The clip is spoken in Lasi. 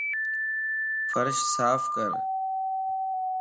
فرش صاف ڪر